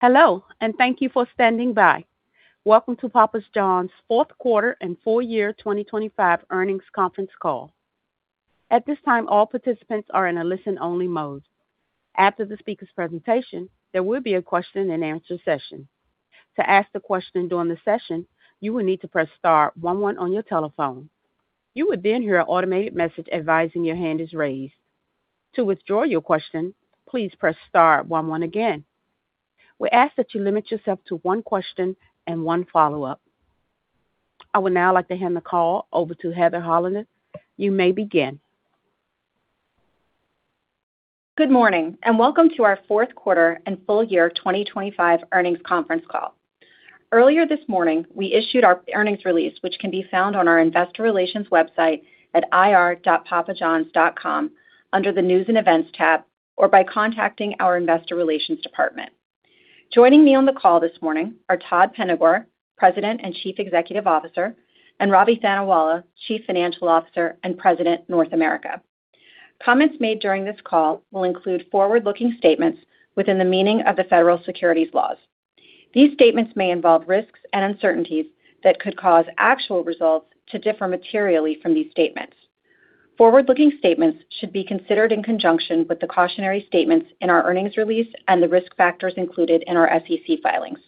Hello. Thank you for standing by. Welcome to Papa John's fourth quarter and full year 2025 earnings conference call. At this time, all participants are in a listen-only mode. After the speaker's presentation, there will be a question-and-answer session. To ask the question during the session, you will need to press star one one on your telephone. You would hear an automated message advising your hand is raised. To withdraw your question, please press star one one again. We ask that you limit yourself to one question and one follow-up. I would now like to hand the call over to Heather Hollander. You may begin. Good morning, and welcome to our fourth quarter and full year 2025 earnings conference call. Earlier this morning, we issued our earnings release, which can be found on our investor relations website at ir.papajohns.com under the News and Events tab, or by contacting our investor relations department. Joining me on the call this morning are Todd Penegor, President and Chief Executive Officer, and Ravi Thanawala, Chief Financial Officer and President, North America. Comments made during this call will include forward-looking statements within the meaning of the federal securities laws. These statements may involve risks and uncertainties that could cause actual results to differ materially from these statements. Forward-looking statements should be considered in conjunction with the cautionary statements in our earnings release and the risk factors included in our SEC filings.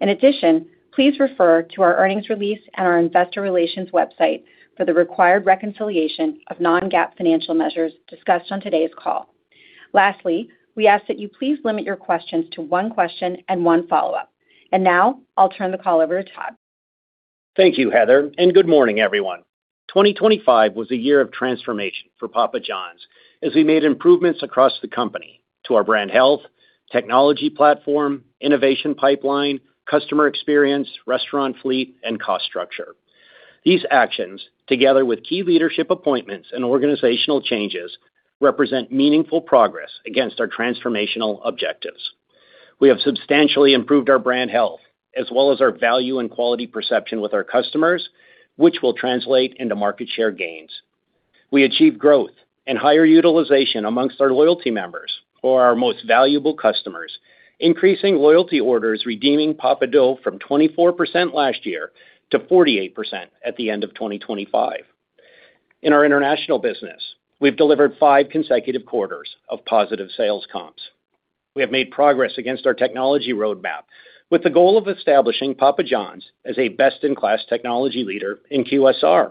In addition, please refer to our earnings release and our investor relations website for the required reconciliation of non-GAAP financial measures discussed on today's call. Lastly, we ask that you please limit your questions to one question and one follow-up. Now I'll turn the call over to Todd. Thank you, Heather. Good morning, everyone. 2025 was a year of transformation for Papa John's as we made improvements across the company to our brand health, technology platform, innovation pipeline, customer experience, restaurant fleet, and cost structure. These actions, together with key leadership appointments and organizational changes, represent meaningful progress against our transformational objectives. We have substantially improved our brand health as well as our value and quality perception with our customers, which will translate into market share gains. We achieved growth and higher utilization amongst our loyalty members or our most valuable customers, increasing loyalty orders, redeeming Papa Dough from 24% last year to 48% at the end of 2025. In our international business, we've delivered five consecutive quarters of positive sales comps. We have made progress against our technology roadmap, with the goal of establishing Papa John's as a best-in-class technology leader in QSR.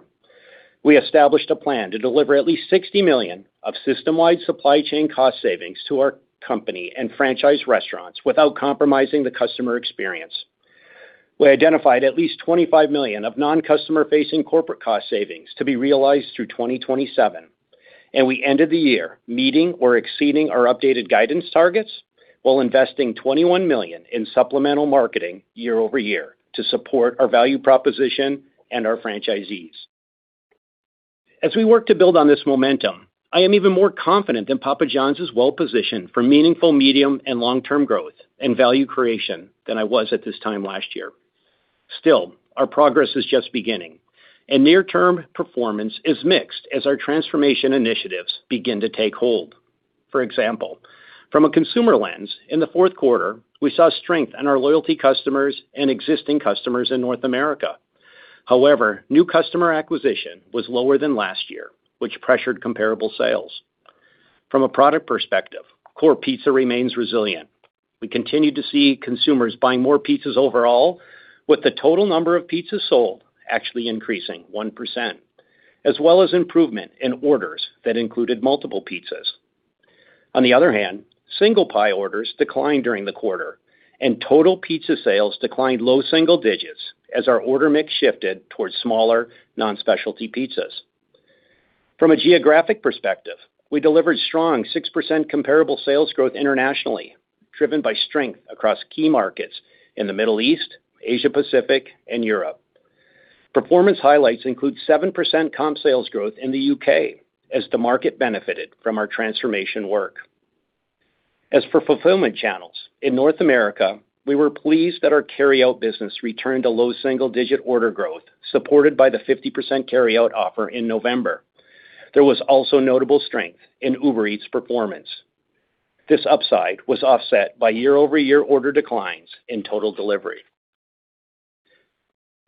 We established a plan to deliver at least $60 million of system-wide supply chain cost savings to our company and franchise restaurants without compromising the customer experience. We identified at least $25 million of non-customer-facing corporate cost savings to be realized through 2027. We ended the year meeting or exceeding our updated guidance targets, while investing $21 million in supplemental marketing year-over-year to support our value proposition and our franchisees. As we work to build on this momentum, I am even more confident that Papa John's is well-positioned for meaningful, medium, and long-term growth and value creation than I was at this time last year. Still, our progress is just beginning, and near-term performance is mixed as our transformation initiatives begin to take hold. For example, from a consumer lens, in the fourth quarter, we saw strength in our loyalty customers and existing customers in North America. However, new customer acquisition was lower than last year, which pressured comparable sales. From a product perspective, core pizza remains resilient. We continue to see consumers buying more pizzas overall, with the total number of pizzas sold actually increasing 1%, as well as improvement in orders that included multiple pizzas. On the other hand, single pie orders declined during the quarter, and total pizza sales declined low single digits as our order mix shifted towards smaller, non-specialty pizzas. From a geographic perspective, we delivered strong 6% comparable sales growth internationally, driven by strength across key markets in the Middle East, Asia Pacific, and Europe. Performance highlights include 7% comp sales growth in the U.K. as the market benefited from our transformation work. As for fulfillment channels, in North America, we were pleased that our carryout business returned to low single-digit order growth, supported by the 50% carryout offer in November. There was also notable strength in Uber Eats performance. This upside was offset by year-over-year order declines in total delivery.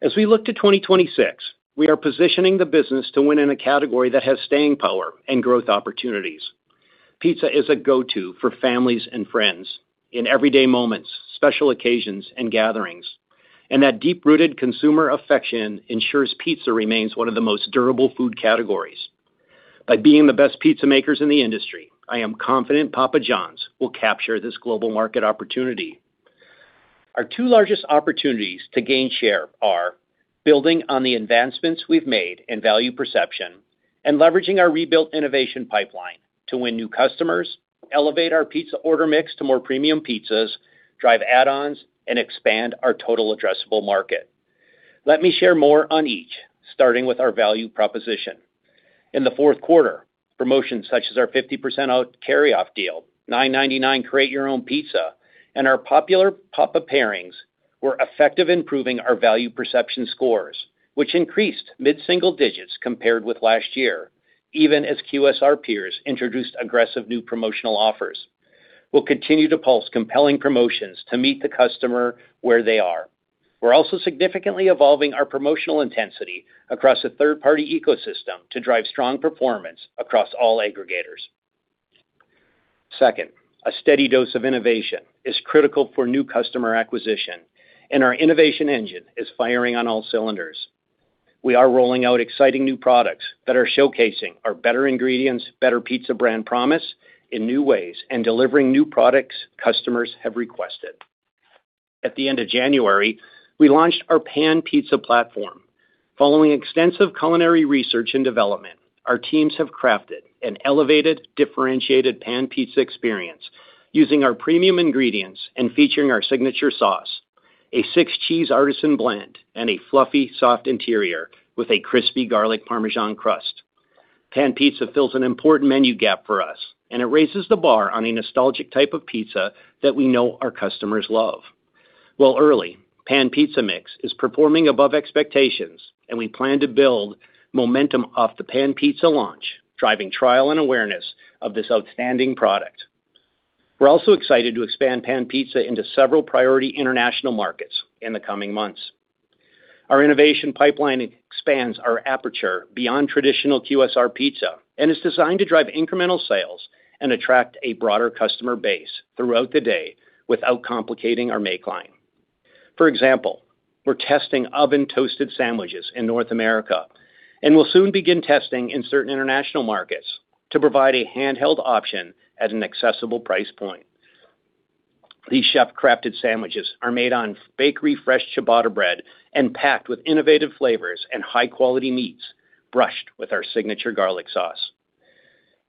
As we look to 2026, we are positioning the business to win in a category that has staying power and growth opportunities. Pizza is a go-to for families and friends in everyday moments, special occasions, and gatherings. That deep-rooted consumer affection ensures pizza remains one of the most durable food categories. By being the best pizza makers in the industry, I am confident Papa John's will capture this global market opportunity. Our two largest opportunities to gain share are building on the advancements we've made in value perception and leveraging our rebuilt innovation pipeline to win new customers, elevate our pizza order mix to more premium pizzas, drive add-ons, and expand our total addressable market. Let me share more on each, starting with our value proposition. In the fourth quarter, promotions such as our 50% out carryout deal, $9.99 Create Your Own Pizza, and our popular Papa Pairings were effective in improving our value perception scores, which increased mid-single digits compared with last year even as QSR peers introduced aggressive new promotional offers. We'll continue to pulse compelling promotions to meet the customer where they are. We're also significantly evolving our promotional intensity across a third-party ecosystem to drive strong performance across all aggregators. Second, a steady dose of innovation is critical for new customer acquisition, and our innovation engine is firing on all cylinders. We are rolling out exciting new products that are showcasing our better ingredients, better pizza brand promise in new ways, and delivering new products customers have requested. At the end of January, we launched our Pan Pizza platform. Following extensive culinary research and development, our teams have crafted an elevated, differentiated Pan Pizza experience using our premium ingredients and featuring our signature sauce, a six-cheese artisan blend, and a fluffy, soft interior with a crispy garlic parmesan crust. Pan Pizza fills an important menu gap for us, and it raises the bar on a nostalgic type of pizza that we know our customers love. While early, Pan Pizza mix is performing above expectations, and we plan to build momentum off the Pan Pizza launch, driving trial and awareness of this outstanding product. We're also excited to expand Pan Pizza into several priority international markets in the coming months. Our innovation pipeline expands our aperture beyond traditional QSR pizza and is designed to drive incremental sales and attract a broader customer base throughout the day without complicating our make line. For example, we're testing oven-toasted sandwiches in North America, and we'll soon begin testing in certain international markets to provide a handheld option at an accessible price point. These chef-crafted sandwiches are made on bakery-fresh ciabatta bread and packed with innovative flavors and high-quality meats, brushed with our signature garlic sauce.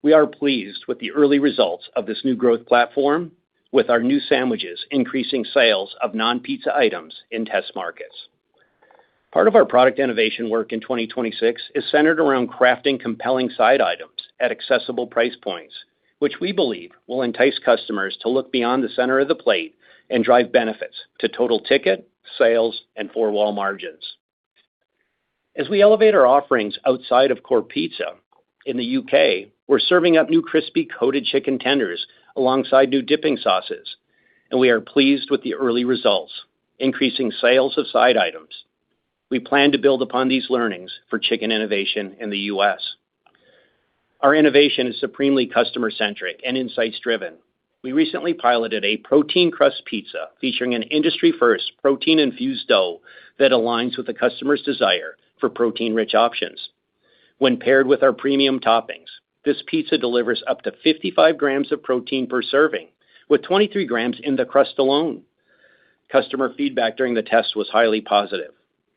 We are pleased with the early results of this new growth platform, with our new sandwiches increasing sales of non-pizza items in test markets. Part of our product innovation work in 2026 is centered around crafting compelling side items at accessible price points, which we believe will entice customers to look beyond the center of the plate and drive benefits to total ticket, sales, and Four-Wall margins. As we elevate our offerings outside of core pizza, in the U.K., we're serving up new crispy coated chicken tenders alongside new dipping sauces, and we are pleased with the early results, increasing sales of side items. We plan to build upon these learnings for chicken innovation in the U.S. Our innovation is supremely customer-centric and insights-driven. We recently piloted a protein crust pizza featuring an industry-first protein-infused dough that aligns with the customer's desire for protein-rich options. When paired with our premium toppings, this pizza delivers up to 55 grams of protein per serving, with 23 grams in the crust alone. Customer feedback during the test was highly positive.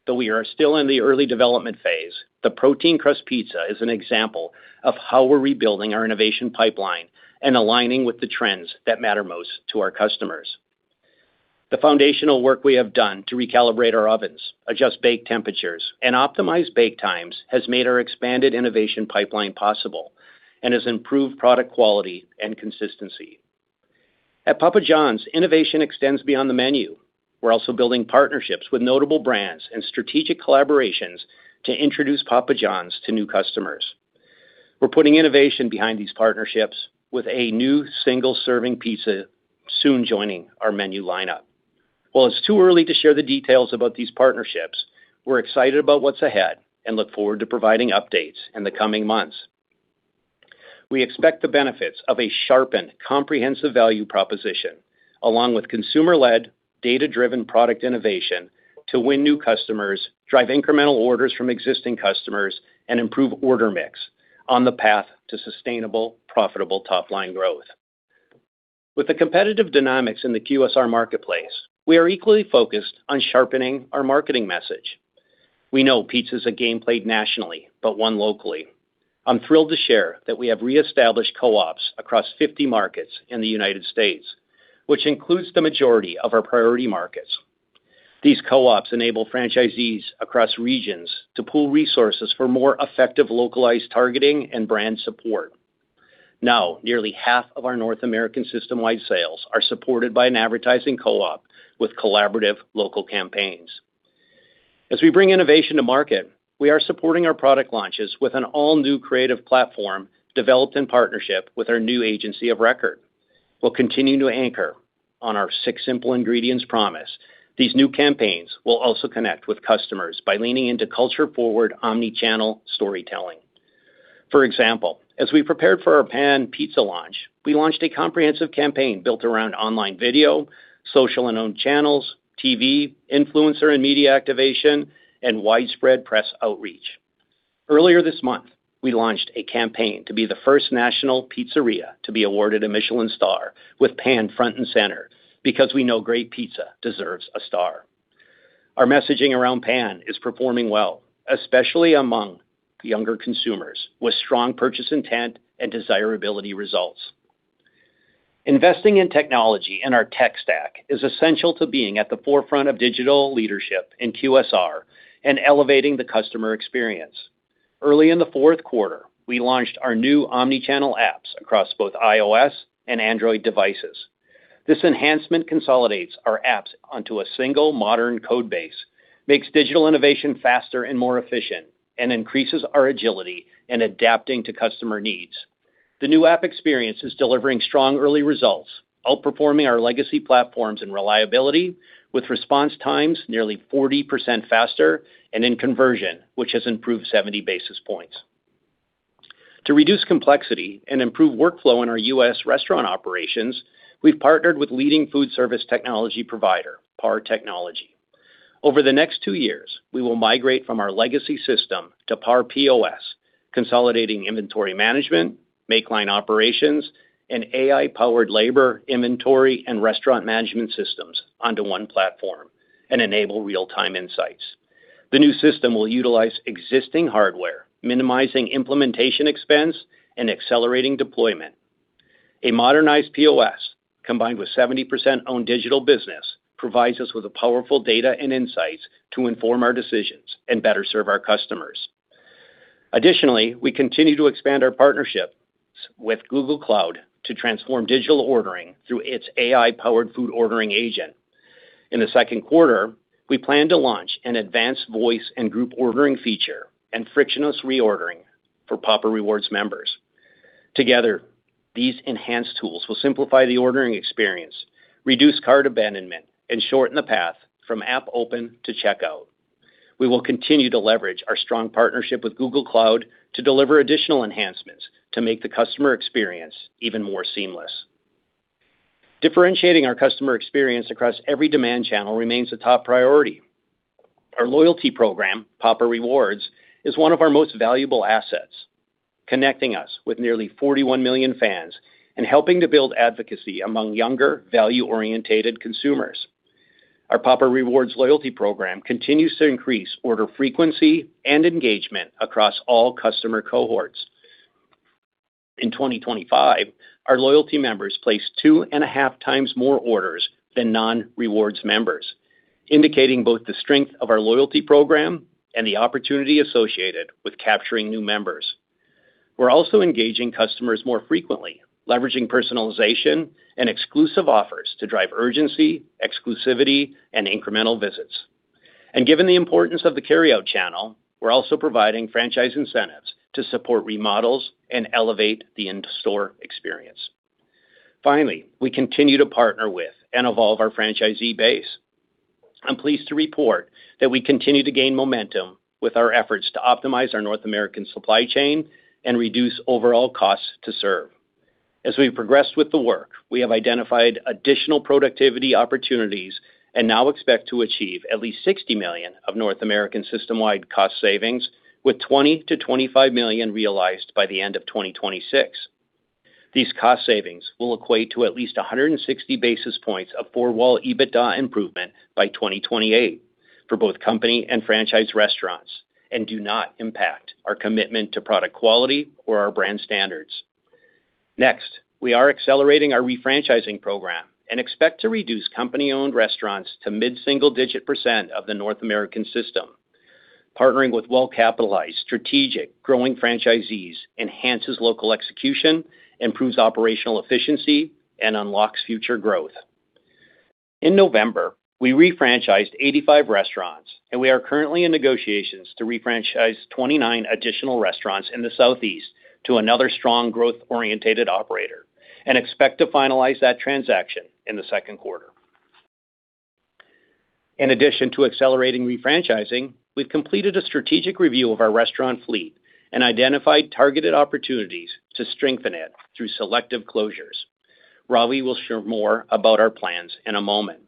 Though we are still in the early development phase, the protein crust pizza is an example of how we're rebuilding our innovation pipeline and aligning with the trends that matter most to our customers. The foundational work we have done to recalibrate our ovens, adjust bake temperatures, and optimize bake times has made our expanded innovation pipeline possible and has improved product quality and consistency. At Papa John's, innovation extends beyond the menu. We're also building partnerships with notable brands and strategic collaborations to introduce Papa John's to new customers. We're putting innovation behind these partnerships with a new single-serving pizza soon joining our menu lineup. While it's too early to share the details about these partnerships, we're excited about what's ahead and look forward to providing updates in the coming months. We expect the benefits of a sharpened, comprehensive value proposition, along with consumer-led, data-driven product innovation, to win new customers, drive incremental orders from existing customers, and improve order mix on the path to sustainable, profitable top-line growth. With the competitive dynamics in the QSR marketplace, we are equally focused on sharpening our marketing message. We know pizza is a game played nationally, but one locally. I'm thrilled to share that we have reestablished co-ops across 50 markets in the United States, which includes the majority of our priority markets. These co-ops enable franchisees across regions to pool resources for more effective localized targeting and brand support. Now, nearly half of our North American system-wide sales are supported by an advertising co-op with collaborative local campaigns. As we bring innovation to market, we are supporting our product launches with an all-new creative platform developed in partnership with our new agency of record. We'll continue to anchor on our six simple ingredients promise. These new campaigns will also connect with customers by leaning into culture-forward, omni-channel storytelling. For example, as we prepared for our Pan Pizza launch, we launched a comprehensive campaign built around online video, social and owned channels, TV, influencer and media activation, and widespread press outreach. Earlier this month, we launched a campaign to be the first national pizzeria to be awarded a Michelin star with Pan front and center, because we know great pizza deserves a star. Our messaging around Pan is performing well, especially among younger consumers, with strong purchase intent and desirability results. Investing in technology and our tech stack is essential to being at the forefront of digital leadership in QSR and elevating the customer experience. Early in the fourth quarter, we launched our new omni-channel apps across both iOS and Android devices. This enhancement consolidates our apps onto a single modern code base, makes digital innovation faster and more efficient, and increases our agility in adapting to customer needs. The new app experience is delivering strong early results, outperforming our legacy platforms in reliability, with response times nearly 40% faster, and in conversion, which has improved 70 basis points. To reduce complexity and improve workflow in our U.S. restaurant operations, we've partnered with leading food service technology provider, PAR Technology. Over the next two years, we will migrate from our legacy system to PAR POS, consolidating inventory management, make line operations, and AI-powered labor, inventory, and restaurant management systems onto one platform and enable real-time insights. The new system will utilize existing hardware, minimizing implementation expense and accelerating deployment. A modernized POS, combined with 70% owned digital business, provides us with a powerful data and insights to inform our decisions and better serve our customers. Additionally, we continue to expand our partnerships with Google Cloud to transform digital ordering through its AI-powered food ordering agent. In the second quarter, we plan to launch an advanced voice and group ordering feature and frictionless reordering for Papa Rewards members. Together, these enhanced tools will simplify the ordering experience, reduce cart abandonment, and shorten the path from app open to checkout. We will continue to leverage our strong partnership with Google Cloud to deliver additional enhancements to make the customer experience even more seamless. Differentiating our customer experience across every demand channel remains a top priority. Our loyalty program, Papa Rewards, is one of our most valuable assets, connecting us with nearly 41 million fans and helping to build advocacy among younger, value-orientated consumers. Our Papa Rewards loyalty program continues to increase order frequency and engagement across all customer cohorts. In 2025, our loyalty members placed 2.5 times more orders than non-rewards members, indicating both the strength of our loyalty program and the opportunity associated with capturing new members. We're also engaging customers more frequently, leveraging personalization and exclusive offers to drive urgency, exclusivity, and incremental visits. Given the importance of the carryout channel, we're also providing franchise incentives to support remodels and elevate the in-store experience. Finally, we continue to partner with and evolve our franchisee base. I'm pleased to report that we continue to gain momentum with our efforts to optimize our North American supply chain and reduce overall costs to serve. As we've progressed with the work, we have identified additional productivity opportunities and now expect to achieve at least $60 million of North American system-wide cost savings, with $20 million-$25 million realized by the end of 2026. These cost savings will equate to at least 160 basis points of Four-Wall EBITDA improvement by 2028 for both company and franchise restaurants and do not impact our commitment to product quality or our brand standards. Next, we are accelerating our refranchising program and expect to reduce company-owned restaurants to mid-single-digit % of the North American system. Partnering with well-capitalized, strategic, growing franchisees enhances local execution, improves operational efficiency, and unlocks future growth. In November, we refranchised 85 restaurants, and we are currently in negotiations to refranchise 29 additional restaurants in the Southeast to another strong growth-orientated operator and expect to finalize that transaction in the second quarter. In addition to accelerating refranchising, we've completed a strategic review of our restaurant fleet and identified targeted opportunities to strengthen it through selective closures. Ravi will share more about our plans in a moment.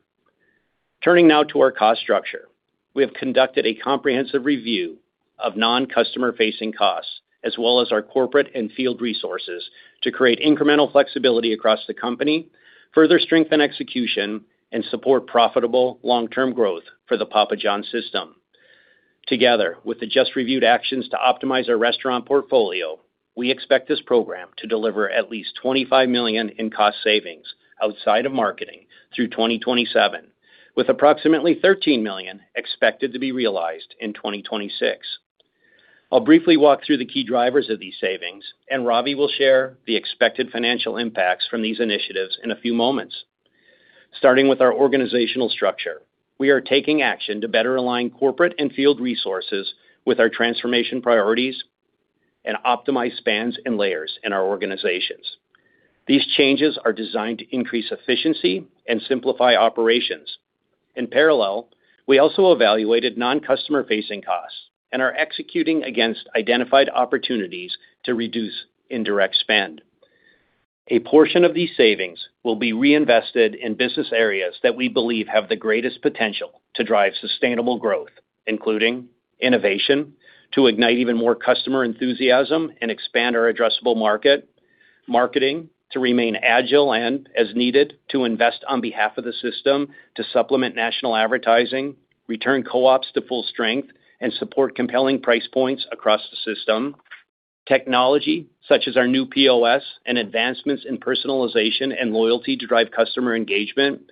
Turning now to our cost structure. We have conducted a comprehensive review of non-customer-facing costs, as well as our corporate and field resources, to create incremental flexibility across the company, further strengthen execution, and support profitable long-term growth for the Papa John's system. Together, with the just reviewed actions to optimize our restaurant portfolio, we expect this program to deliver at least $25 million in cost savings outside of marketing through 2027, with approximately $13 million expected to be realized in 2026. I'll briefly walk through the key drivers of these savings. Ravi will share the expected financial impacts from these initiatives in a few moments. Starting with our organizational structure, we are taking action to better align corporate and field resources with our transformation priorities and optimize spans and layers in our organizations. These changes are designed to increase efficiency and simplify operations. In parallel, we also evaluated non-customer-facing costs and are executing against identified opportunities to reduce indirect spend. A portion of these savings will be reinvested in business areas that we believe have the greatest potential to drive sustainable growth, including innovation, to ignite even more customer enthusiasm and expand our addressable market, marketing, to remain agile and, as needed, to invest on behalf of the system to supplement national advertising, return co-ops to full strength, and support compelling price points across the system. Technology, such as our new POS and advancements in personalization and loyalty to drive customer engagement,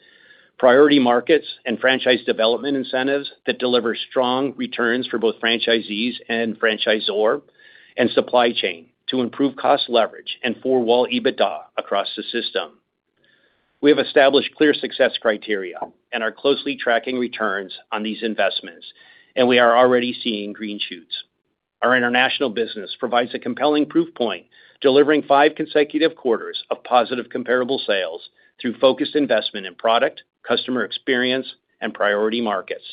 priority markets and franchise development incentives that deliver strong returns for both franchisees and franchisor, and supply chain to improve cost leverage and Four-Wall EBITDA across the system. We have established clear success criteria and are closely tracking returns on these investments. We are already seeing green shoots. Our international business provides a compelling proof point, delivering 5 consecutive quarters of positive comparable sales through focused investment in product, customer experience, and priority markets.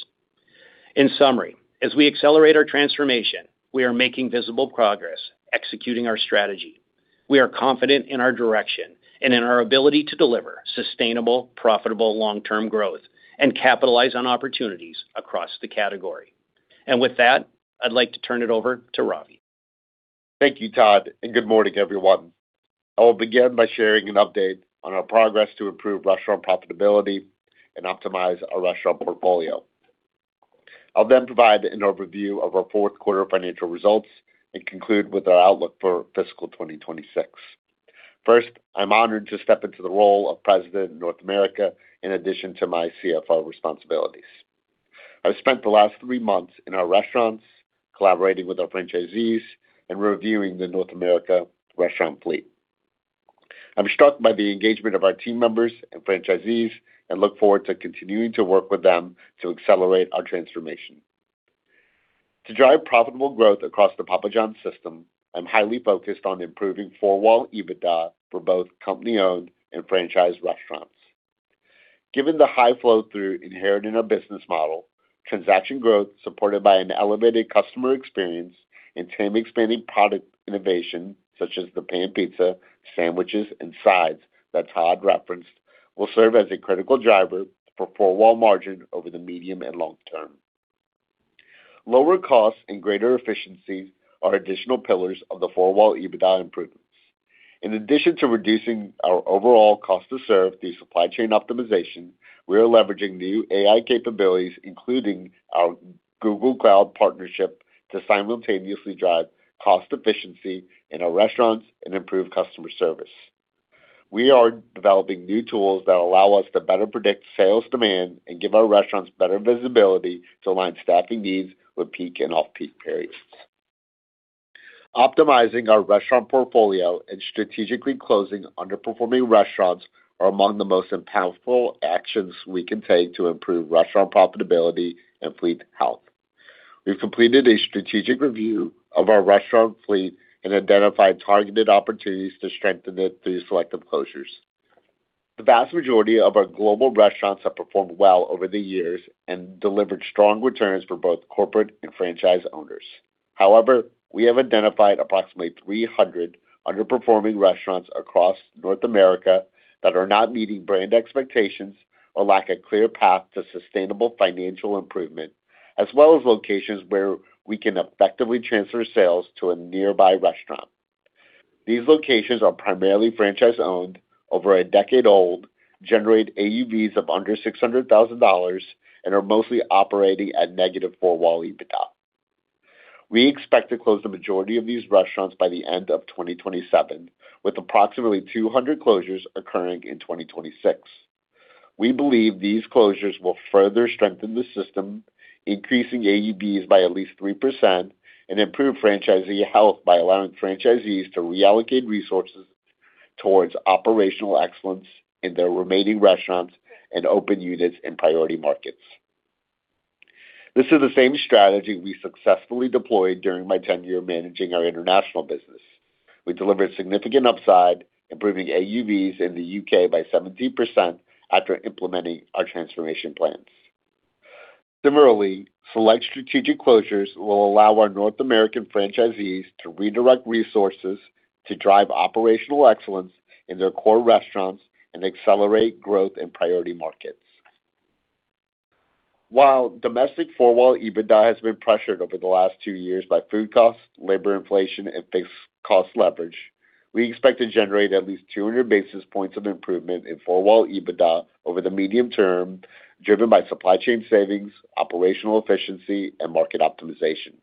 In summary, as we accelerate our transformation, we are making visible progress executing our strategy. We are confident in our direction and in our ability to deliver sustainable, profitable, long-term growth and capitalize on opportunities across the category. With that, I'd like to turn it over to Ravi. Thank you, Todd. Good morning, everyone. I will begin by sharing an update on our progress to improve restaurant profitability and optimize our restaurant portfolio. I'll then provide an overview of our fourth quarter financial results and conclude with our outlook for fiscal 2026. First, I'm honored to step into the role of President of North America in addition to my CFO responsibilities. I've spent the last three months in our restaurants, collaborating with our franchisees, and reviewing the North America restaurant fleet. I'm struck by the engagement of our team members and franchisees and look forward to continuing to work with them to accelerate our transformation. To drive profitable growth across the Papa John's system, I'm highly focused on improving Four-Wall EBITDA for both company-owned and franchise restaurants. Given the high flow-through inherent in our business model, transaction growth, supported by an elevated customer experience and same-expanding product innovation, such as the Pan Pizza, sandwiches, and sides that Todd referenced, will serve as a critical driver for four-wall margin over the medium and long term. Lower costs and greater efficiencies are additional pillars of the Four-Wall EBITDA improvements. In addition to reducing our overall cost to serve through supply chain optimization, we are leveraging new AI capabilities, including our Google Cloud partnership, to simultaneously drive cost efficiency in our restaurants and improve customer service. We are developing new tools that allow us to better predict sales demand and give our restaurants better visibility to align staffing needs with peak and off-peak periods. Optimizing our restaurant portfolio and strategically closing underperforming restaurants are among the most impactful actions we can take to improve restaurant profitability and fleet health. We've completed a strategic review of our restaurant fleet and identified targeted opportunities to strengthen it through selective closures. The vast majority of our global restaurants have performed well over the years and delivered strong returns for both corporate and franchise owners. However, we have identified approximately 300 underperforming restaurants across North America that are not meeting brand expectations or lack a clear path to sustainable financial improvement, as well as locations where we can effectively transfer sales to a nearby restaurant. These locations are primarily franchise-owned, over a decade old, generate AUVs of under $600,000, and are mostly operating at negative Four-Wall EBITDA. We expect to close the majority of these restaurants by the end of 2027, with approximately 200 closures occurring in 2026. We believe these closures will further strengthen the system, increasing AUVs by at least 3% and improve franchisee health by allowing franchisees to reallocate resources towards operational excellence in their remaining restaurants and open units in priority markets. This is the same strategy we successfully deployed during my tenure managing our international business. We delivered significant upside, improving AUVs in the UK by 17% after implementing our transformation plans. Similarly, select strategic closures will allow our North American franchisees to redirect resources to drive operational excellence in their core restaurants and accelerate growth in priority markets. While domestic four-wall EBITDA has been pressured over the last two years by food costs, labor inflation, and fixed cost leverage, we expect to generate at least 200 basis points of improvement in four-wall EBITDA over the medium term, driven by supply chain savings, operational efficiency, and market optimization.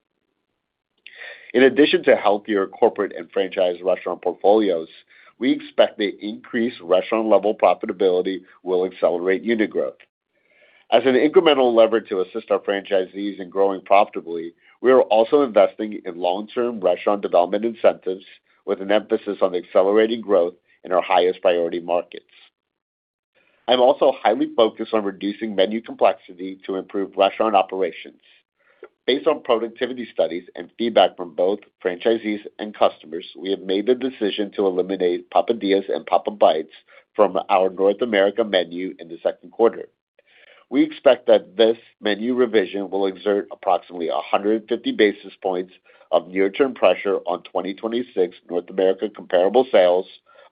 In addition to healthier corporate and franchise restaurant portfolios, we expect the increased restaurant-level profitability will accelerate unit growth. As an incremental lever to assist our franchisees in growing profitably, we are also investing in long-term restaurant development incentives, with an emphasis on accelerating growth in our highest priority markets. I'm also highly focused on reducing menu complexity to improve restaurant operations. Based on productivity studies and feedback from both franchisees and customers, we have made the decision to eliminate Papadias and Papa Bites from our North America menu in the second quarter. We expect that this menu revision will exert approximately 150 basis points of near-term pressure on 2026 North America comparable sales,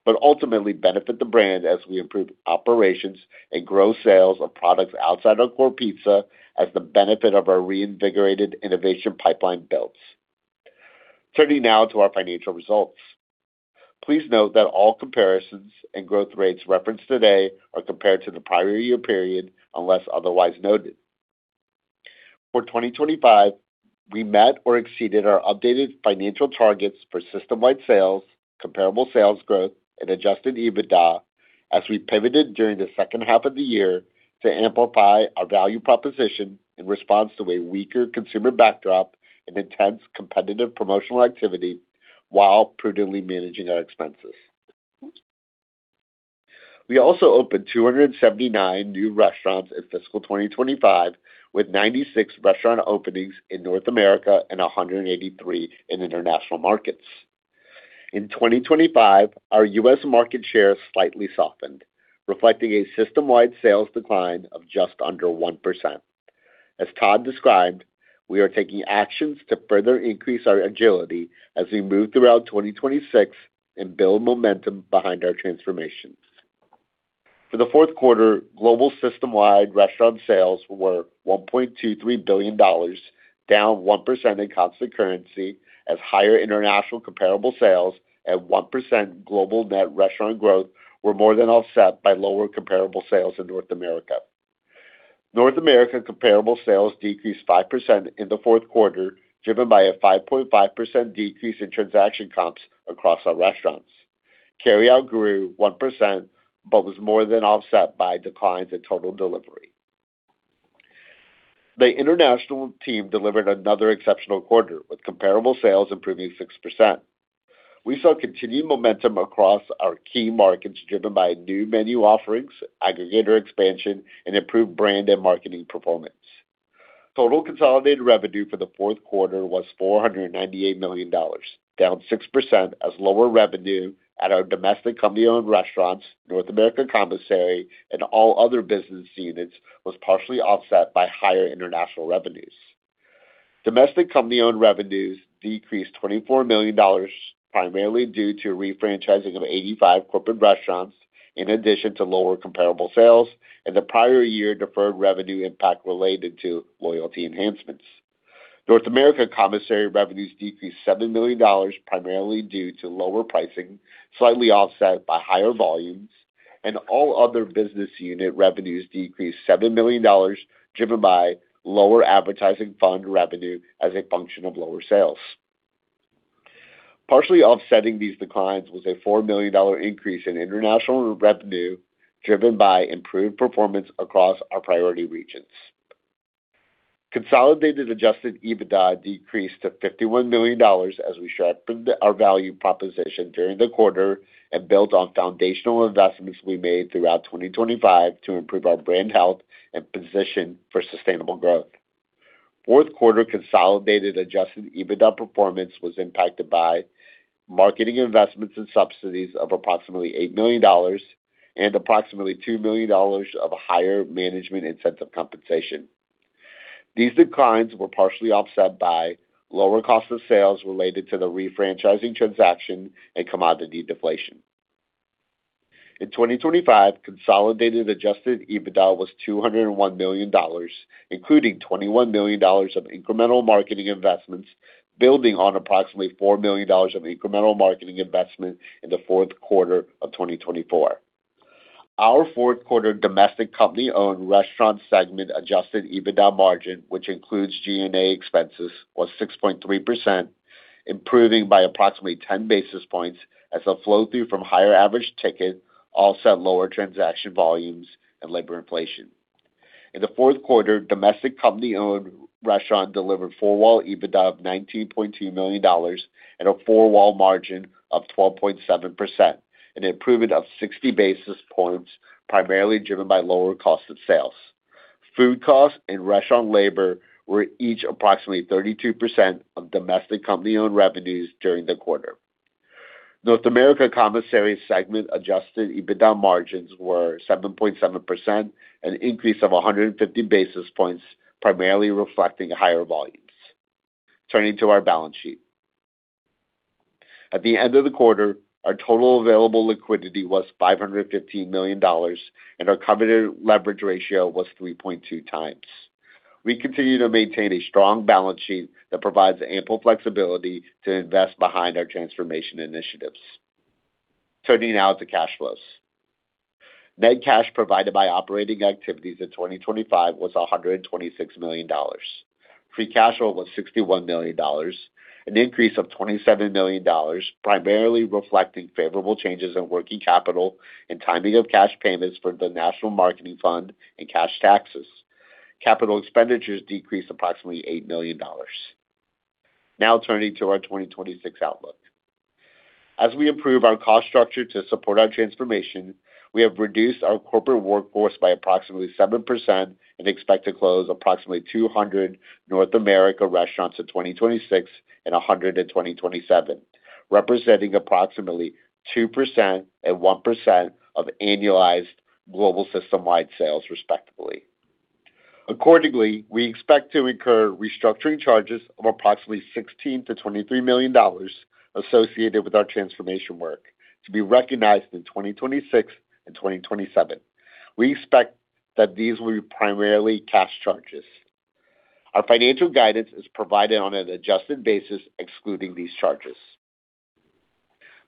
but ultimately benefit the brand as we improve operations and grow sales of products outside our core pizza as the benefit of our reinvigorated innovation pipeline builds. Turning now to our financial results. Please note that all comparisons and growth rates referenced today are compared to the prior year period, unless otherwise noted. For 2025, we met or exceeded our updated financial targets for system-wide sales, comparable sales growth, and adjusted EBITDA, as we pivoted during the second half of the year to amplify our value proposition in response to a weaker consumer backdrop and intense competitive promotional activity, while prudently managing our expenses. We also opened 279 new restaurants in fiscal 2025, with 96 restaurant openings in North America and 183 in international markets. In 2025, our US market share slightly softened, reflecting a system-wide sales decline of just under 1%. As Todd described, we are taking actions to further increase our agility as we move throughout 2026 and build momentum behind our transformations. For the fourth quarter, global system-wide restaurant sales were $1.23 billion, down 1% in constant currency, as higher international comparable sales at 1% global net restaurant growth were more than offset by lower comparable sales in North America. North America comparable sales decreased 5% in the fourth quarter, driven by a 5.5% decrease in transaction comps across our restaurants. Carryout grew 1%, but was more than offset by declines in total delivery. The international team delivered another exceptional quarter, with comparable sales improving 6%. We saw continued momentum across our key markets, driven by new menu offerings, aggregator expansion, and improved brand and marketing performance. Total consolidated revenue for the fourth quarter was $498 million, down 6%, as lower revenue at our domestic company-owned restaurants, North America Commissary, and all other business units was partially offset by higher international revenues. Domestic company-owned revenues decreased $24 million, primarily due to refranchising of 85 corporate restaurants, in addition to lower comparable sales and the prior year deferred revenue impact related to loyalty enhancements. North America Commissary revenues decreased $7 million, primarily due to lower pricing, slightly offset by higher volumes, and all other business unit revenues decreased $7 million, driven by lower advertising fund revenue as a function of lower sales. Partially offsetting these declines was a $4 million increase in international revenue, driven by improved performance across our priority regions. Consolidated adjusted EBITDA decreased to $51 million as we sharpened our value proposition during the quarter and built on foundational investments we made throughout 2025 to improve our brand health and position for sustainable growth. Fourth quarter consolidated adjusted EBITDA performance was impacted by marketing investments and subsidies of approximately $8 million and approximately $2 million of higher management incentive compensation. These declines were partially offset by lower cost of sales related to the refranchising transaction and commodity deflation. In 2025, consolidated adjusted EBITDA was $201 million, including $21 million of incremental marketing investments, building on approximately $4 million of incremental marketing investment in the fourth quarter of 2024. Our fourth quarter domestic company-owned restaurant segment adjusted EBITDA margin, which includes G&A expenses, was 6.3%, improving by approximately 10 basis points as a flow-through from higher average ticket, offset by lower transaction volumes and labor inflation. In the fourth quarter, domestic company-owned restaurant delivered Four-Wall EBITDA of $19.2 million and a Four-Wall margin of 12.7%, an improvement of 60 basis points, primarily driven by lower cost of sales. Food costs and restaurant labor were each approximately 32% of domestic company-owned revenues during the quarter. North America Commissary segment adjusted EBITDA margins were 7.7%, an increase of 150 basis points, primarily reflecting higher volumes. Turning to our balance sheet. At the end of the quarter, our total available liquidity was $515 million, and our covenant leverage ratio was 3.2 times. We continue to maintain a strong balance sheet that provides ample flexibility to invest behind our transformation initiatives. Turning now to cash flows. Net cash provided by operating activities in 2025 was $126 million. Free cash flow was $61 million, an increase of $27 million, primarily reflecting favorable changes in working capital and timing of cash payments for the National Marketing Fund and cash taxes. Capital expenditures decreased approximately $8 million. Turning to our 2026 outlook. As we improve our cost structure to support our transformation, we have reduced our corporate workforce by approximately 7% and expect to close approximately 200 North America restaurants in 2026 and 100 in 2027, representing approximately 2% and 1% of annualized global system-wide sales, respectively. Accordingly, we expect to incur restructuring charges of approximately $16 million-$23 million associated with our transformation work to be recognized in 2026 and 2027. We expect that these will be primarily cash charges. Our financial guidance is provided on an adjusted basis, excluding these charges.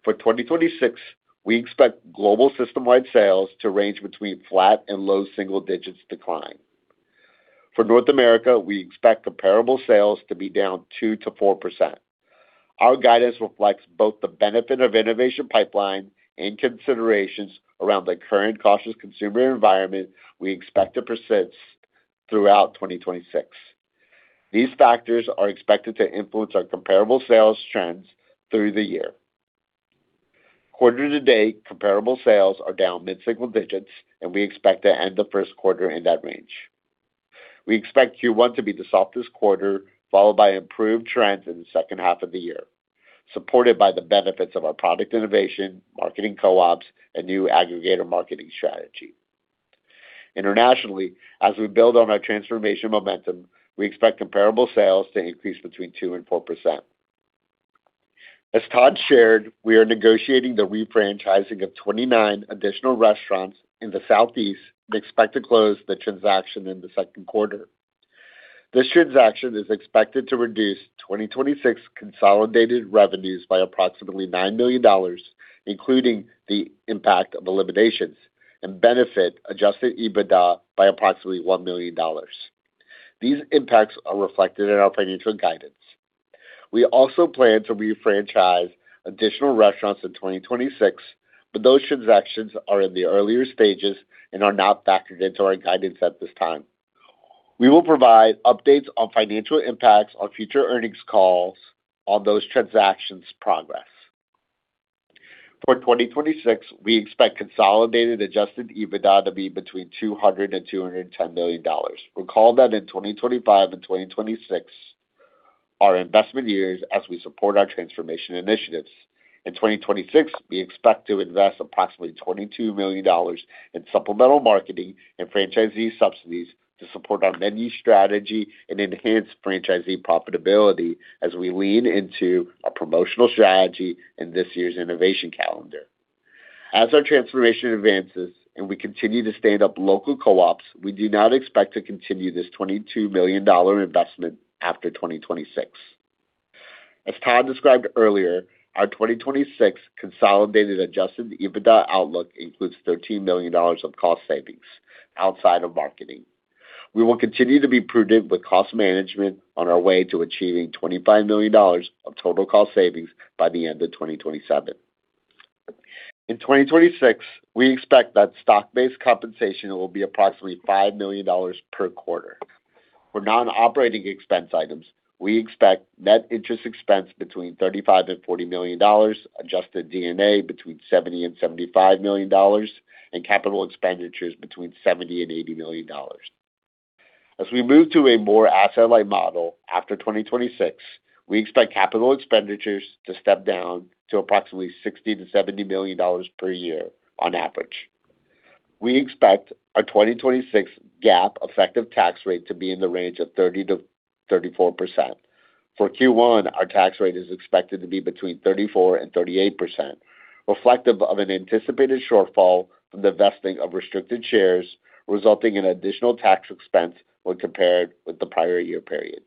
For 2026, we expect global system-wide sales to range between flat and low single digits decline. For North America, we expect comparable sales to be down 2%-4%. Our guidance reflects both the benefit of innovation pipeline and considerations around the current cautious consumer environment we expect to persist throughout 2026. These factors are expected to influence our comparable sales trends through the year. Quarter to date, comparable sales are down mid-single digits, and we expect to end the first quarter in that range. We expect Q1 to be the softest quarter, followed by improved trends in the second half of the year, supported by the benefits of our product innovation, marketing co-ops, and new aggregator marketing strategy. Internationally, as we build on our transformation momentum, we expect comparable sales to increase between 2% and 4%. As Todd shared, we are negotiating the refranchising of 29 additional restaurants in the Southeast and expect to close the transaction in the second quarter. This transaction is expected to reduce 2026 consolidated revenues by approximately $9 million, including the impact of eliminations, and benefit adjusted EBITDA by approximately $1 million. These impacts are reflected in our financial guidance. We also plan to refranchise additional restaurants in 2026, those transactions are in the earlier stages and are not factored into our guidance at this time. We will provide updates on financial impacts on future earnings calls on those transactions progress. For 2026, we expect consolidated adjusted EBITDA to be between $200 million and $210 million. Recall that in 2025 and 2026 are investment years as we support our transformation initiatives. In 2026, we expect to invest approximately $22 million in supplemental marketing and franchisee subsidies to support our menu strategy and enhance franchisee profitability as we lean into a promotional strategy in this year's innovation calendar. Our transformation advances and we continue to stand up local co-ops, we do not expect to continue this $22 million investment after 2026. As Todd described earlier, our 2026 consolidated adjusted EBITDA outlook includes $13 million of cost savings outside of marketing. We will continue to be prudent with cost management on our way to achieving $25 million of total cost savings by the end of 2027. In 2026, we expect that stock-based compensation will be approximately $5 million per quarter. For non-operating expense items, we expect net interest expense between $35 million and $40 million, adjusted D&A between $70 million and $75 million, and capital expenditures between $70 million and $80 million. As we move to a more asset-light model after 2026, we expect capital expenditures to step down to approximately $60 million-$70 million per year on average. We expect our 2026 GAAP effective tax rate to be in the range of 30%-34%. For Q1, our tax rate is expected to be between 34% and 38%, reflective of an anticipated shortfall from the vesting of restricted shares, resulting in additional tax expense when compared with the prior year period.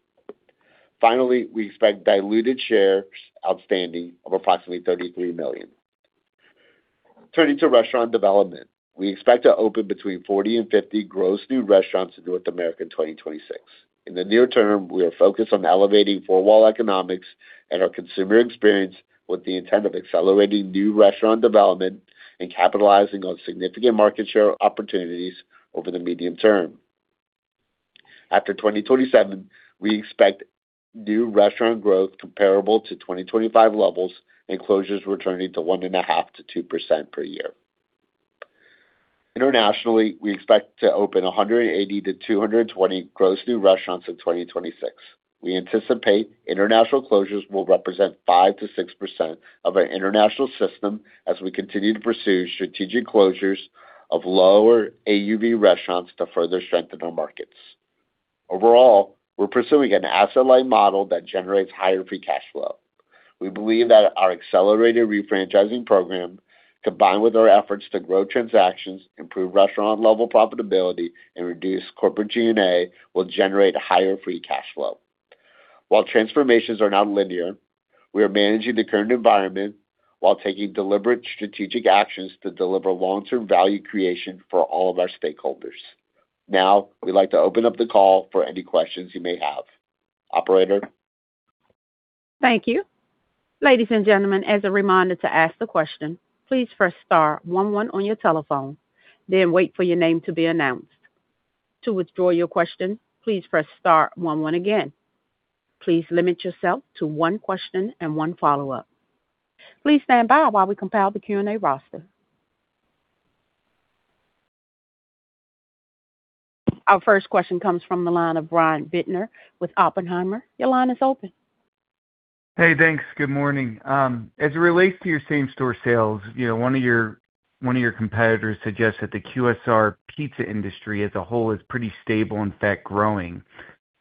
Finally, we expect diluted shares outstanding of approximately 33 million. Turning to restaurant development, we expect to open between 40 and 50 gross new restaurants in North America in 2026. In the near term, we are focused on elevating Four-Wall economics and our consumer experience with the intent of accelerating new restaurant development and capitalizing on significant market share opportunities over the medium term. After 2027, we expect new restaurant growth comparable to 2025 levels and closures returning to 1.5%-2% per year. Internationally, we expect to open 180-220 gross new restaurants in 2026. We anticipate international closures will represent 5%-6% of our international system as we continue to pursue strategic closures of lower AUV restaurants to further strengthen our markets. Overall, we're pursuing an asset-light model that generates higher free cash flow. We believe that our accelerated refranchising program, combined with our efforts to grow transactions, improve restaurant-level profitability, and reduce corporate G&A, will generate a higher free cash flow. While transformations are not linear, we are managing the current environment while taking deliberate strategic actions to deliver long-term value creation for all of our stakeholders. Now, we'd like to open up the call for any questions you may have. Operator? Thank you. Ladies and gentlemen, as a reminder to ask the question, please press star 11 on your telephone, then wait for your name to be announced. To withdraw your question, please press star 11 again. Please limit yourself to one question and one follow-up. Please stand by while we compile the Q&A roster. Our first question comes from the line of Brian Bittner with Oppenheimer. Your line is open. Hey, thanks. Good morning. As it relates to your same-store sales, you know, one of your, one of your competitors suggests that the QSR pizza industry as a whole is pretty stable, in fact, growing,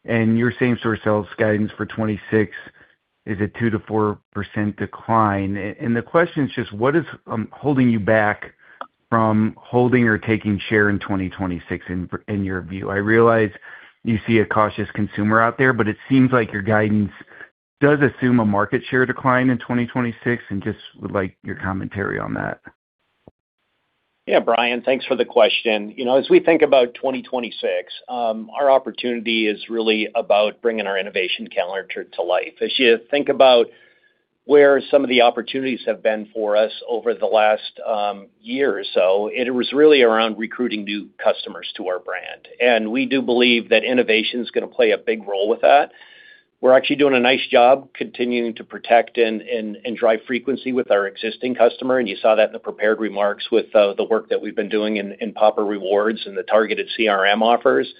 and your same-store sales guidance for 2026 is a 2%-4% decline. The question is just, what is holding you back from holding or taking share in 2026 in your view? I realize you see a cautious consumer out there, but it seems like your guidance does assume a market share decline in 2026, and just would like your commentary on that. Yeah, Brian, thanks for the question. You know, as we think about 2026, our opportunity is really about bringing our innovation calendar to life. As you think about where some of the opportunities have been for us over the last year or so, it was really around recruiting new customers to our brand. We do believe that innovation is going to play a big role with that. We're actually doing a nice job continuing to protect and drive frequency with our existing customer, and you saw that in the prepared remarks with the work that we've been doing in Papa Rewards and the targeted CRM offers.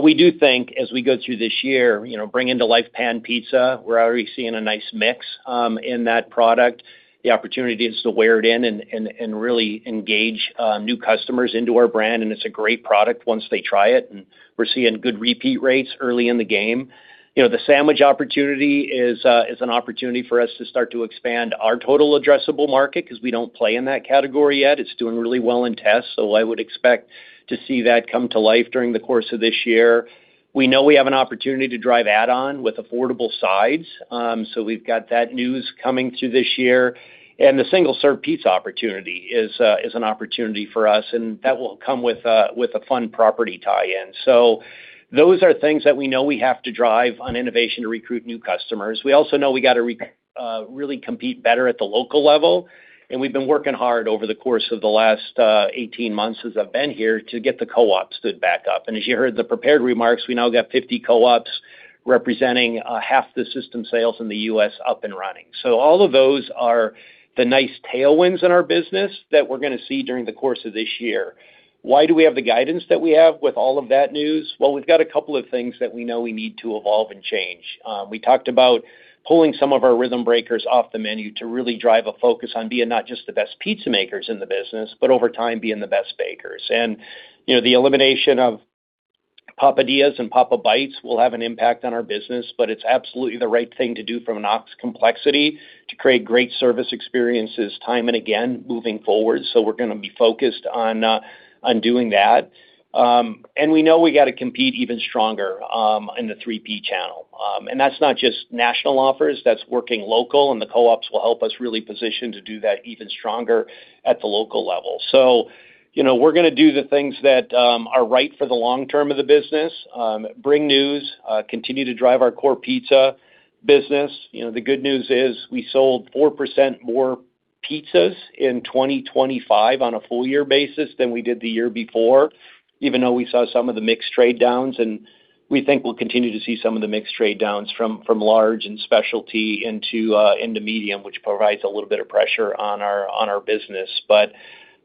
We do think as we go through this year, you know, bringing to life Pan Pizza, we're already seeing a nice mix in that product. The opportunity is to wear it in and really engage new customers into our brand, and it's a great product once they try it, and we're seeing good repeat rates early in the game. You know, the sandwich opportunity is an opportunity for us to start to expand our total addressable market because we don't play in that category yet. It's doing really well in tests, so I would expect to see that come to life during the course of this year. We know we have an opportunity to drive add-on with affordable sides, so we've got that news coming through this year. The single-serve pizza opportunity is an opportunity for us, and that will come with a, with a fun property tie-in. Those are things that we know we have to drive on innovation to recruit new customers. We also know we got to really compete better at the local level, and we've been working hard over the course of the last, 18 months since I've been here to get the co-ops stood back up. As you heard the prepared remarks, we now got 50 co-ops representing, half the system sales in the U.S. up and running. All of those are the nice tailwinds in our business that we're going to see during the course of this year. Why do we have the guidance that we have with all of that news? Well, we've got a couple of things that we know we need to evolve and change. We talked about pulling some of our rhythm breakers off the menu to really drive a focus on being not just the best pizza makers in the business, but over time, being the best bakers. You know, the elimination of Papadias and Papa Bites will have an impact on our business, but it's absolutely the right thing to do from an ops complexity to create great service experiences time and again, moving forward. We're going to be focused on doing that. We know we got to compete even stronger in the 3P channel. That's not just national offers, that's working local, and the co-ops will help us really position to do that even stronger at the local level. You know, we're going to do the things that are right for the long term of the business, bring news, continue to drive our core pizza business. You know, the good news is we sold 4% more pizzas in 2025 on a full year basis than we did the year before, even though we saw some of the mix trade downs, and we think we'll continue to see some of the mix trade downs from large and specialty into medium, which provides a little bit of pressure on our business.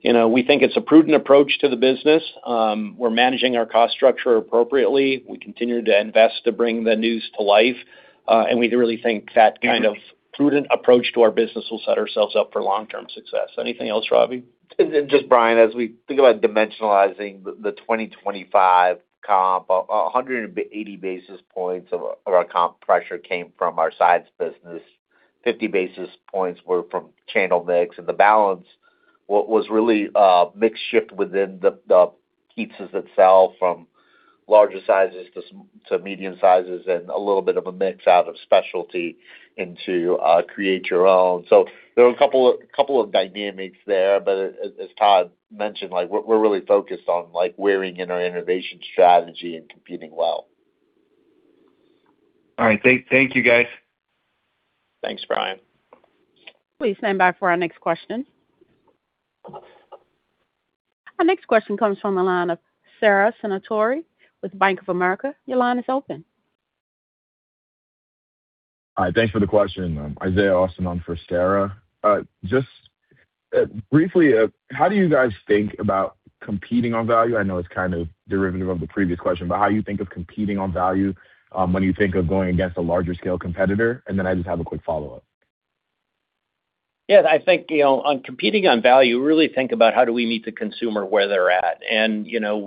You know, we think it's a prudent approach to the business. We're managing our cost structure appropriately. We continue to invest to bring the news to life, and we really think that kind of prudent approach to our business will set ourselves up for long-term success. Anything else, Ravi? Just Brian Bittner, as we think about dimensionalizing the 2025 comp, 180 basis points of our comp pressure came from our sides business. 50 basis points were from channel mix, and the balance, what was really mix shift within the pizzas itself, from larger sizes to medium sizes and a little bit of a mix out of specialty into Create Your Own Pizza. There were a couple of dynamics there, but as Todd Penegor mentioned, like, we're really focused on, like, wearing in our innovation strategy and competing well. All right, thank you, guys. Thanks, Brian. Please stand by for our next question. Our next question comes from the line of Sara Senatore with Bank of America. Your line is open. Hi, thanks for the question. Isaiah Austin on for Sara Senatore. Just briefly, how do you guys think about competing on value? I know it's kind of derivative of the previous question, but how you think of competing on value when you think of going against a larger scale competitor. I just have a quick follow-up. Yeah, I think, you know, on competing on value, we really think about how do we meet the consumer where they're at. You know,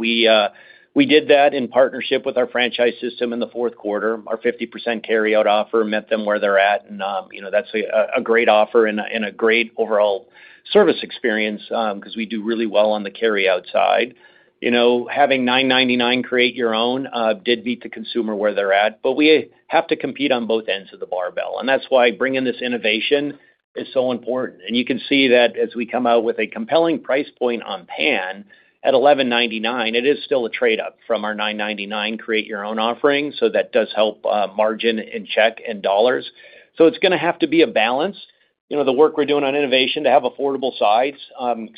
we did that in partnership with our franchise system in the fourth quarter. Our 50% carryout offer met them where they're at, you know, that's a great offer and a great overall service experience because we do really well on the carryout side. You know, having $9.99 Create Your Own did meet the consumer where they're at, but we have to compete on both ends of the barbell, and that's why bringing this innovation is so important. You can see that as we come out with a compelling price point on pan at $11.99, it is still a trade-up from our $9.99 create your own offering, that does help margin and check and dollars. It's going to have to be a balance. You know, the work we're doing on innovation to have affordable sides,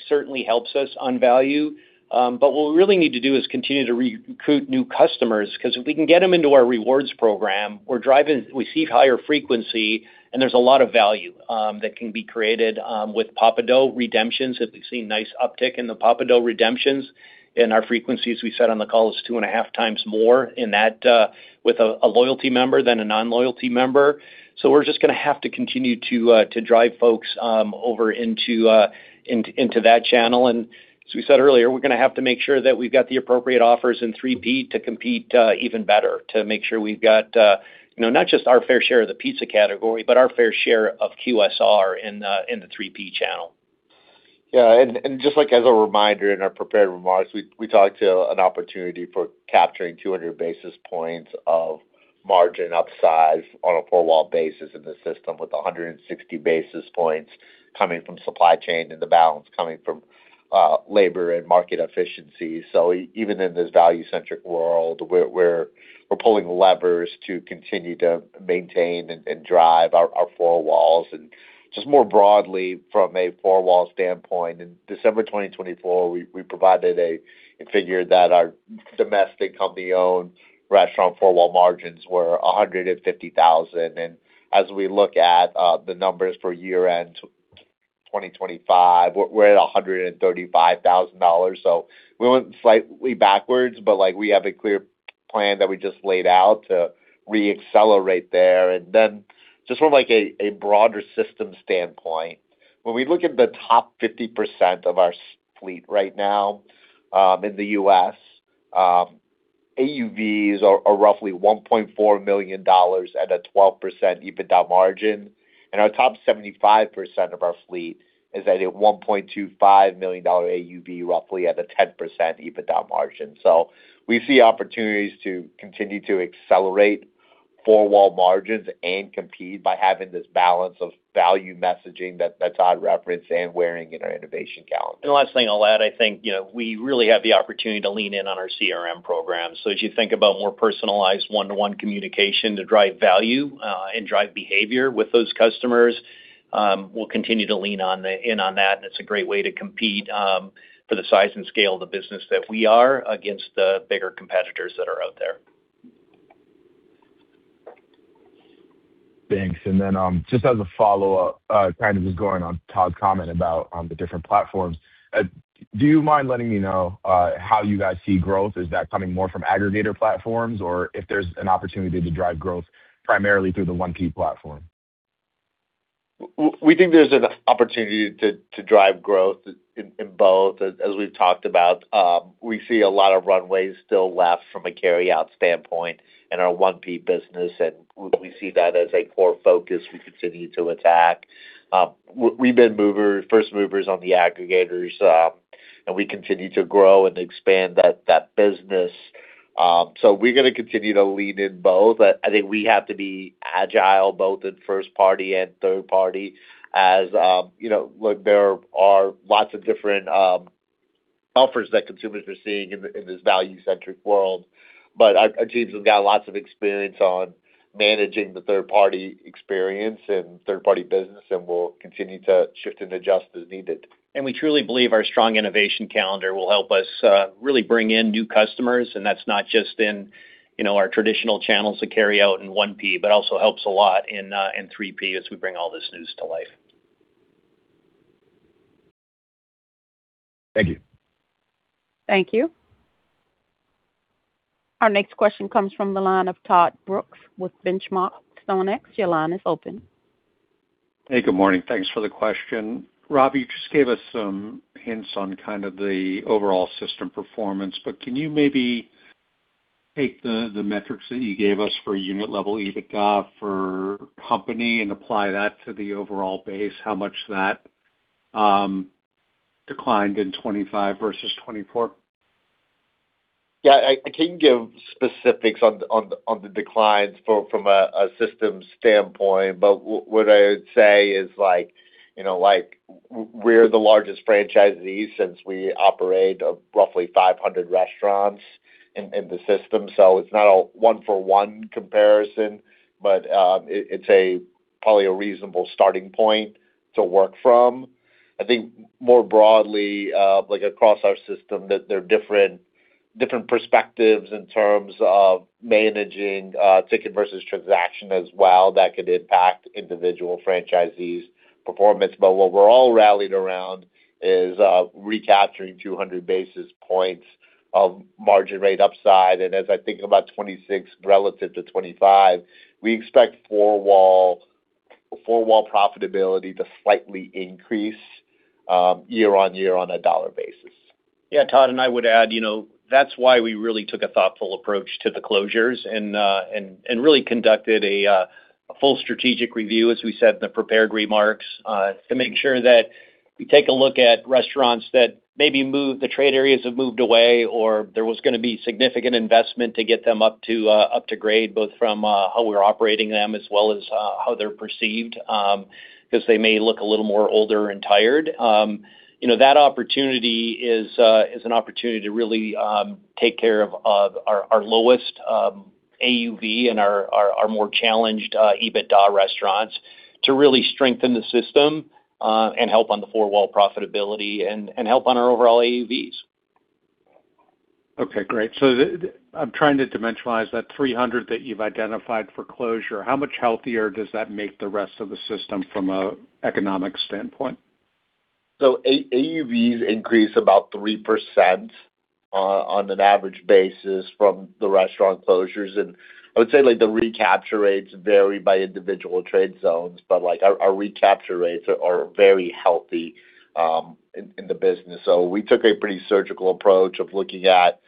certainly helps us on value. What we really need to do is continue to re-recruit new customers, because if we can get them into our rewards program, we see higher frequency, and there's a lot of value that can be created with Papa Dough redemptions, as we've seen nice uptick in the Papa Dough redemptions. Our frequencies, we said on the call, is 2.5 times more in that, with a loyalty member than a non-loyalty member. We're just going to have to continue to drive folks over into that channel. As we said earlier, we're going to have to make sure that we've got the appropriate offers in 3P to compete even better, to make sure we've got, you know, not just our fair share of the pizza category, but our fair share of QSR in the 3P channel. Just like as a reminder, in our prepared remarks, we talked to an opportunity for capturing 200 basis points of margin upsize on a four-wall basis in the system, with 160 basis points coming from supply chain and the balance coming from labor and market efficiency. Even in this value-centric world, we're pulling levers to continue to maintain and drive our four walls. Just more broadly, from a four-wall standpoint, in December 2024, we provided a figure that our domestic company-owned restaurant four-wall margins were $150,000. As we look at the numbers for year-end 2025, we're at $135,000. We went slightly backwards, like, we have a clear plan that we just laid out to reaccelerate there. Just from, like, a broader system standpoint, when we look at the top 50% of our fleet right now, in the U.S., AUVs are roughly $1.4 million at a 12% EBITDA margin. Our top 75% of our fleet is at a $1.25 million AUV, roughly at a 10% EBITDA margin. We see opportunities to continue to accelerate Four-Wall margins and compete by having this balance of value messaging that Todd referenced and wearing in our innovation calendar. The last thing I'll add, I think, you know, we really have the opportunity to lean in on our CRM program. As you think about more personalized one-to-one communication to drive value and drive behavior with those customers, we'll continue to lean in on that, and it's a great way to compete for the size and scale of the business that we are against the bigger competitors that are out there. Thanks. Just as a follow-up, kind of just going on Todd's comment about the different platforms, do you mind letting me know how you guys see growth? Is that coming more from aggregator platforms, or if there's an opportunity to drive growth primarily through the 1P platform? We think there's an opportunity to drive growth in both. As we've talked about, we see a lot of runways still left from a carryout standpoint in our 1P business, and we see that as a core focus we continue to attack. We've been first movers on the aggregators, and we continue to grow and expand that business. We're gonna continue to lean in both. I think we have to be agile both in first party and third party, as, you know, look, there are lots of different offers that consumers are seeing in this value-centric world. Our teams have got lots of experience on managing the third party experience and third party business, and we'll continue to shift and adjust as needed. we truly believe our strong innovation calendar will help us really bring in new customers, and that's not just in, you know, our traditional channels of carryout and 1P, but also helps a lot in 3P as we bring all this news to life. Thank you. Thank you. Our next question comes from the line of Todd Brooks with The Benchmark Company. Your line is open. Hey, good morning. Thanks for the question. Ravi, you just gave us some hints on kind of the overall system performance, but can you maybe take the metrics that you gave us for unit-level EBITDA for company and apply that to the overall base? How much that declined in 25 versus 24? Yeah, I can't give specifics on the declines from a system standpoint. What I would say is like, you know, like, we're the largest franchisee since we operate roughly 500 restaurants in the system. It's not a one-for-one comparison, it's probably a reasonable starting point to work from. I think more broadly, like across our system, that there are different perspectives in terms of managing ticket versus transaction as well, that could impact individual franchisees' performance. What we're all rallied around is recapturing 200 basis points of margin rate upside. As I think about 26 relative to 25, we expect Four-Wall profitability to slightly increase year-on-year on a dollar basis. Yeah, Todd, I would add, you know, that's why we really took a thoughtful approach to the closures and really conducted a full strategic review, as we said in the prepared remarks, to make sure that we take a look at restaurants that maybe the trade areas have moved away, or there was gonna be significant investment to get them up to grade, both from how we're operating them as well as how they're perceived, because they may look a little more older and tired. You know, that opportunity is an opportunity to really take care of our lowest AUV and our more challenged EBITDA restaurants to really strengthen the system and help on the Four-Wall profitability and help on our overall AUVs. Okay, great. I'm trying to dimensionalize that 300 that you've identified for closure. How much healthier does that make the rest of the system from an economic standpoint? AUVs increase about 3%, on an average basis from the restaurant closures. I would say, like, the recapture rates vary by individual trade zones, like, our recapture rates are very healthy in the business. We took a pretty surgical approach of looking at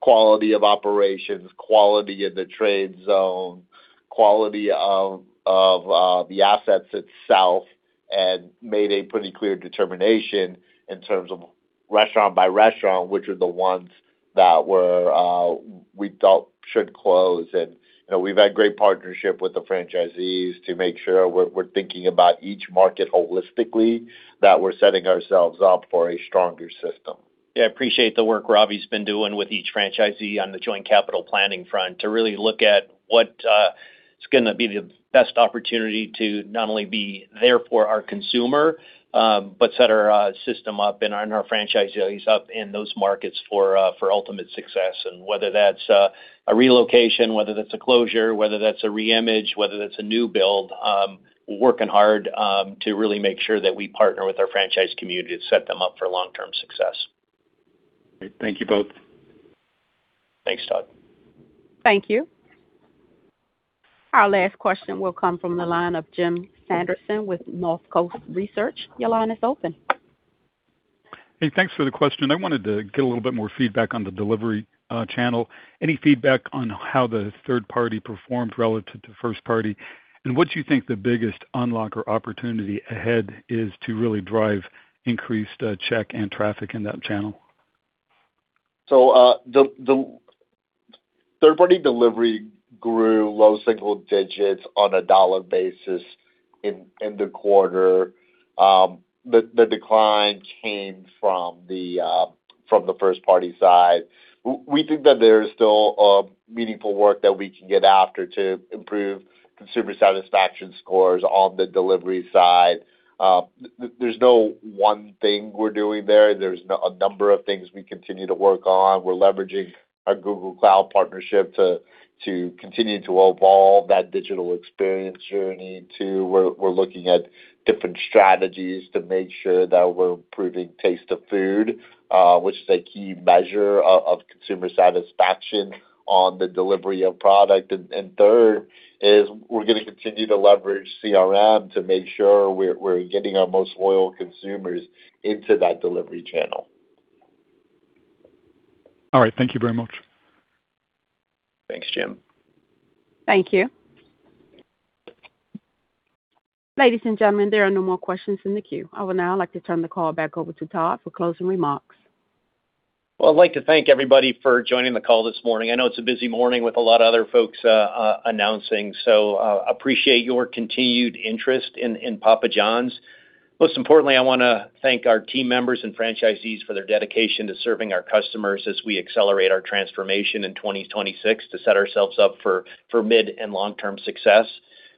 quality of operations, quality of the trade zone. Quality of the assets itself and made a pretty clear determination in terms of restaurant by restaurant, which are the ones that we felt should close. You know, we've had great partnership with the franchisees to make sure we're thinking about each market holistically, that we're setting ourselves up for a stronger system. I appreciate the work Ravi's been doing with each franchisee on the joint capital planning front, to really look at what is gonna be the best opportunity to not only be there for our consumer, but set our system up and our franchisees up in those markets for ultimate success. Whether that's a relocation, whether that's a closure, whether that's a reimage, whether that's a new build, we're working hard to really make sure that we partner with our franchise community to set them up for long-term success. Thank you both. Thanks, Todd. Thank you. Our last question will come from the line of Jim Sanderson with Northcoast Research. Your line is open. Hey, thanks for the question. I wanted to get a little bit more feedback on the delivery channel. Any feedback on how the third party performed relative to first party? What do you think the biggest unlock or opportunity ahead is to really drive increased check and traffic in that channel? The third-party delivery grew low single digits on a dollar basis in the quarter. The decline came from the first party side. We think that there is still meaningful work that we can get after to improve consumer satisfaction scores on the delivery side. There's no one thing we're doing there. There's a number of things we continue to work on. We're leveraging our Google Cloud partnership to continue to evolve that digital experience journey. Two, we're looking at different strategies to make sure that we're improving taste of food, which is a key measure of consumer satisfaction on the delivery of product. Third, is we're gonna continue to leverage CRM to make sure we're getting our most loyal consumers into that delivery channel. All right. Thank you very much. Thanks, Jim. Thank you. Ladies and gentlemen, there are no more questions in the queue. I would now like to turn the call back over to Todd for closing remarks. I'd like to thank everybody for joining the call this morning. I know it's a busy morning with a lot of other folks announcing. Appreciate your continued interest in Papa John's. Most importantly, I wanna thank our team members and franchisees for their dedication to serving our customers as we accelerate our transformation in 2026 to set ourselves up for mid and long-term success.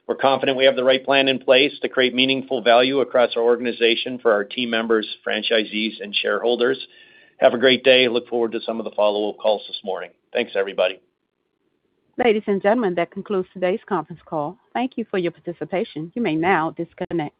We're confident we have the right plan in place to create meaningful value across our organization for our team members, franchisees, and shareholders. Have a great day. Look forward to some of the follow-up calls this morning. Thanks, everybody. Ladies and gentlemen, that concludes today's conference call. Thank you for your participation. You may now disconnect.